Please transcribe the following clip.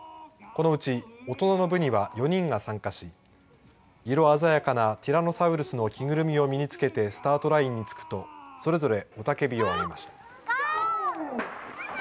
このうち大人の部には４人が参加し色鮮やかなティラノサウルスの着ぐるみを身につけてスタートラインに就くとそれぞれ雄たけびを上げました。